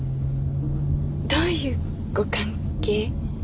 どういうご関係？